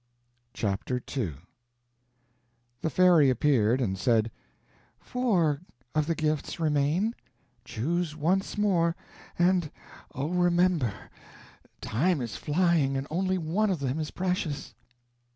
Chapter II The fairy appeared, and said: "Four of the gifts remain. Choose once more; and oh, remember time is flying, and only one of them is precious."